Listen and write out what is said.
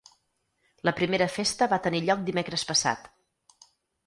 La primera festa va tenir lloc dimecres passat.